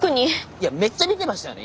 いやめっちゃ見てましたよね